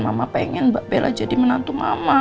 mama pengen mbak bella jadi menantu mama